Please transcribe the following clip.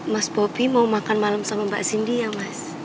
mas bobi mau makan malam sama mbak cindy ya mas